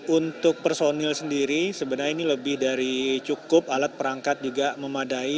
untuk personil sendiri sebenarnya ini lebih dari cukup alat perangkat juga memadai